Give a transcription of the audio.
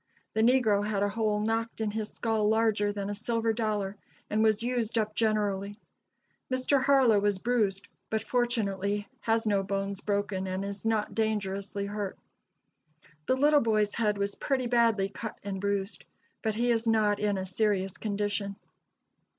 The negro had a hole knocked in his skull larger than a silver dollar, and was used up generally. Mr. Harlow was bruised, but fortunately has no bones broken, and is not dangerously hurt. The little boy's head was pretty badly cut and bruised, but he is not in a serious condition."